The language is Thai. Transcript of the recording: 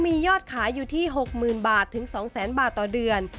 มียอดขายอยู่ที่๖๐๐๐บาทถึง๒๐๐๐บาทต่อเดือน